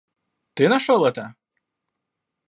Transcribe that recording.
Ты нашел это?